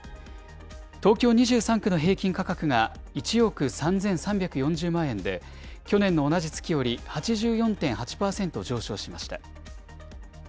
東京２３区の平均価格が１億３３４０万円で、去年の同じ月より８４．８％上昇しました。